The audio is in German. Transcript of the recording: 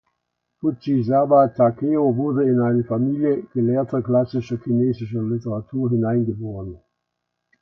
Fujisawa Takeo wurde in eine Familie Gelehrter klassischer chinesischer Literatur hineingeboren.